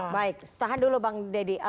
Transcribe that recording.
baik tahan dulu bang deddy